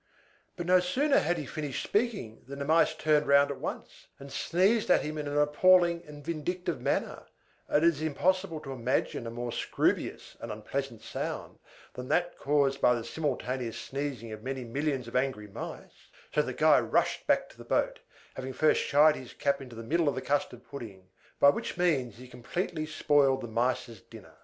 But no sooner had he finished speaking than the Mice turned round at once, and sneezed at him in an appalling and vindictive manner (and it is impossible to imagine a more scroobious and unpleasant sound than that caused by the simultaneous sneezing of many millions of angry Mice); so that Guy rushed back to the boat, having first shied his cap into the middle of the custard pudding, by which means he completely spoiled the Mice's dinner.